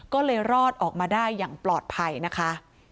ก็เลยรอดออกมาได้อย่างปลอดภัยนะคะ